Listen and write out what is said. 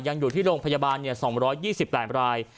ยังอยู่ที่โรงพยาบาล๒๒๘ราย